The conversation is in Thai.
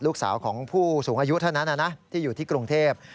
ลูกสาวของผู้สูงอายุเท่านั้นที่อยู่ที่กรุงเทพ